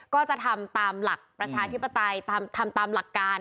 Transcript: ก็จะทำตามหลักประชาธิปไตยทำตามหลักการ